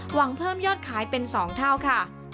หวังเพิ่มยอดขายเป็น๒เท่าค่ะ